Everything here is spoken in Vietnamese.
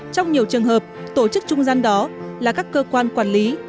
trong nhiều trường hợp tổ chức trung gian đó là các cơ quan quản lý